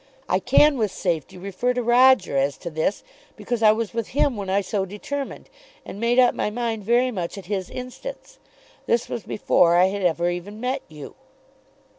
I can with safety refer to Roger as to this, because I was with him when I so determined, and made up my mind very much at his instance. This was before I had ever even met you.